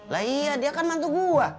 lah iya dia kan mantu gue